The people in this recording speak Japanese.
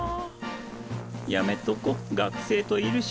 やめとこう学生といるしな。